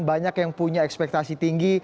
banyak yang punya ekspektasi tinggi